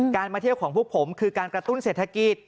มาเที่ยวของพวกผมคือการกระตุ้นเศรษฐกิจ